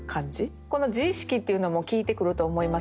この自意識っていうのも効いてくると思いますね。